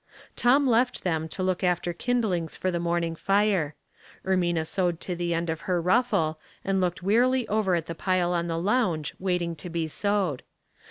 Tom left them to look after kindlings for the morning fire. Erraina sewed to the end of her ruffle, and looked wearily over at the pile on the lounge waiting to be sewed.